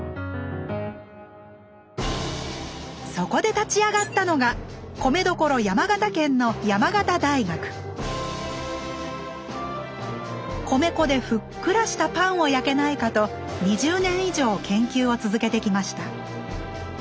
そこで立ち上がったのが米どころ山形県の山形大学米粉でふっくらしたパンを焼けないかと２０年以上研究を続けてきました。